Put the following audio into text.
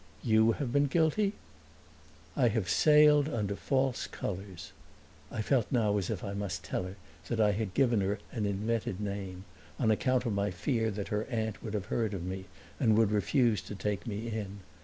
"You have been guilty?" "I have sailed under false colors." I felt now as if I must tell her that I had given her an invented name, on account of my fear that her aunt would have heard of me and would refuse to take me in.